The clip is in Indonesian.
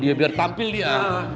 dia biar tampil dia